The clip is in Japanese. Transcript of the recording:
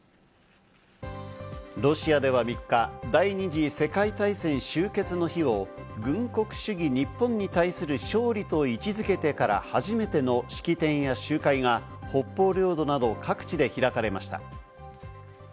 ロシアでは３日、第二次世界大戦終結の日を軍国主義日本に対する勝利と位置付けてから初めての式典や集会が、北方領土など各地で開かれました。